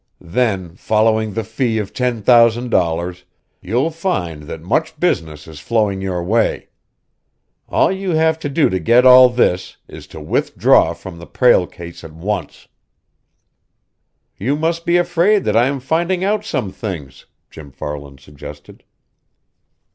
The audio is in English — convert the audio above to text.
Then, following the fee of ten thousand dollars, you'll find that much business is flowing your way. All you have to do to get all this is to withdraw from the Prale case at once." "You must be afraid that I am finding out some things," Jim Farland suggested.